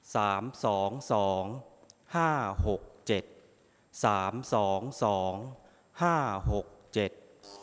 สองสองห้าหกเจ็ดสามสองสองห้าหกเจ็ด